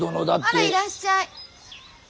あらいらっしゃい。